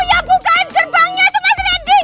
oh ya bukain gerbangnya tuh mas randy